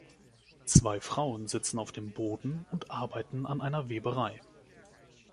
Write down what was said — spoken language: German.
Zwei Frauen sitzen auf dem Boden und arbeiten an einer Weberei.